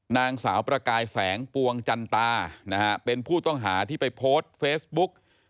นางสาวประกายแสงปวงจันตานะฮะเป็นผู้ต้องหาที่ไปโพสต์เฟซบุ๊ก